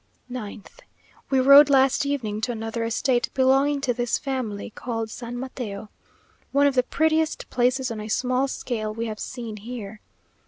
9th. We rode last evening to another estate belonging to this family, called San Mateo, one of the prettiest places on a small scale we have seen here.